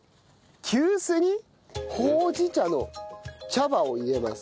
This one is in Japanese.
急須にほうじ茶の茶葉を入れます。